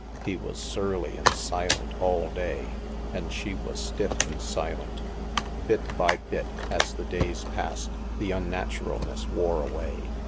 He was surly and silent all day, and she was stiff and silent. Bit by bit, as the days passed, the unnaturalness wore away.